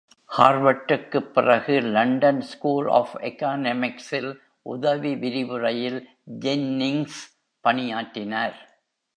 ஹார்வர்டுக்குப் பிறகு, London school of எகனாமிக்ஸில் உதவி விரிவுரையில் ஜென்னிங்ஸ் பணியாற்றினார்.